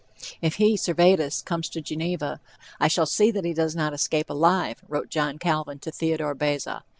"If he (Servetus) comes to Geneva, I shall see that he does not escape alive," wrote John Calvin to Theodore Beza.